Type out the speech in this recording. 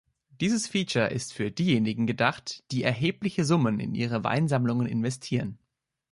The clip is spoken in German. Dieses Feature ist für diejenigen gedacht, die erhebliche Summen in ihre Weinsammlungen investieren.